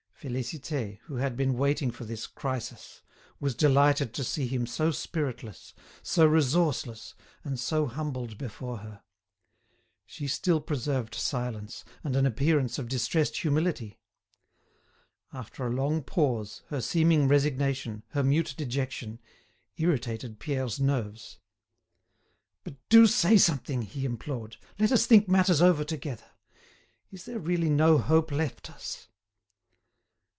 Félicité, who had been waiting for this crisis, was delighted to see him so spiritless, so resourceless, and so humbled before her. She still preserved silence, and an appearance of distressed humility. After a long pause, her seeming resignation, her mute dejection, irritated Pierre's nerves. "But do say something!" he implored; "let us think matters over together. Is there really no hope left us?"